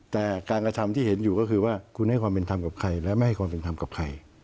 แต่การกระทำที่เห็นอยู่ก็คือว่าคุณให้ความเป็นธรรมกับใครและไม่ให้ความเป็นธรรมกับใคร